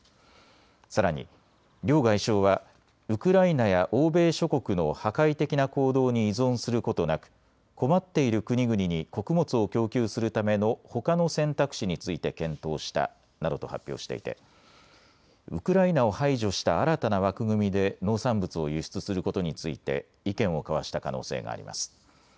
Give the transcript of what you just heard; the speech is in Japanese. さらに、両外相はウクライナや欧米諸国の破壊的な行動に依存することなく困っている国々に穀物を供給するための、ほかの選択肢について検討したなどと発表していてウクライナを排除した新たな枠組みで農産物を輸出することについて意見を交わした可能性があります。